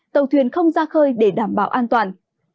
tàu thuyền không ra khơi để đảm bảo an toàn